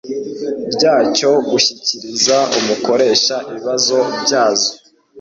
ryacyo gushyikiriza umukoresha ibibazo byazo